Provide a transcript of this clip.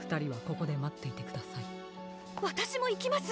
わたしもいきます！